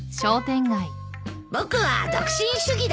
僕は独身主義だ。